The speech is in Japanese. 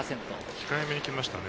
控えめにきましたね。